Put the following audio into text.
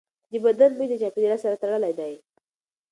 د بدن بوی د چاپېریال سره تړلی دی.